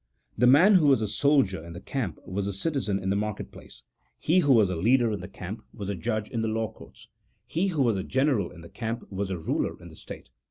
The man who was a soldier in the camp was a citizen in the market place, he who was a leader in the camp was a judge in the law courts, he who was a general in the camp was a ruler in the state.